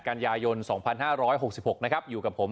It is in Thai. การยายนสองพันห้าร้อยหกสิบหกนะครับอยู่กับผม